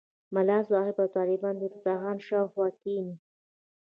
ملا صاحب او طالبان د دسترخوان شاوخوا کېني.